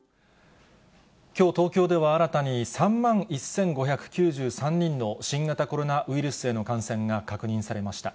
きょう、東京では新たに３万１５９３人の新型コロナウイルスへの感染が確認されました。